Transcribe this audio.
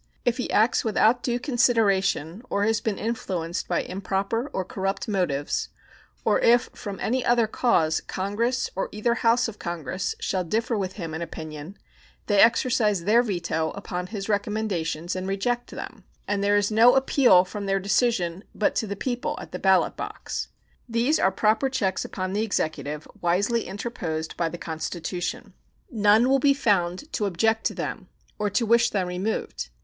If he acts without due consideration, or has been influenced by improper or corrupt motives, or if from any other cause Congress, or either House of Congress, shall differ with him in opinion, they exercise their veto upon his recommendations and reject them; and there is no appeal from their decision but to the people at the ballot box. These are proper checks upon the Executive, wisely interposed by the Constitution. None will be found to object to them or to wish them removed.